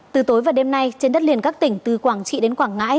từ tối và đêm nay trên đất liền các tỉnh từ quảng trị đến quảng ngãi